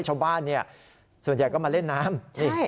ใช่ดูหนูหมา